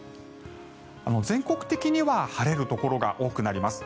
全国的には晴れるところが多くなります。